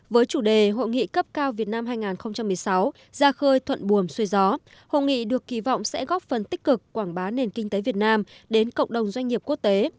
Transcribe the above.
với chủ đề hội nghị cấp cao việt nam hai nghìn một mươi sáu ra khơi thuận buồm xuê gió hội nghị được kỳ vọng sẽ góp phần tích cực quảng bá nền kinh tế việt nam đến cộng đồng doanh nghiệp quốc tế